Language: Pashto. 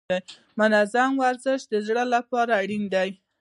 منظم ورزش د زړه لپاره اړین دی.